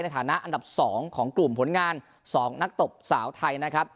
ฐานะอันดับ๒ของกลุ่มผลงาน๒นักตบสาวไทยนะครับ